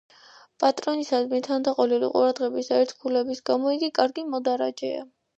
პატრონისადმი თანდაყოლილი ყურადღების და ერთგულების გამო ის კარგი მოდარაჯეა.